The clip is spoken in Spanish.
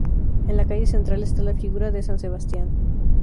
En la calle central está la figura de San Sebastián.